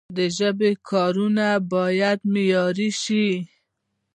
د ژبي کارونه باید معیاري سی.